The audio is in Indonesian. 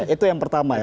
itu yang pertama ya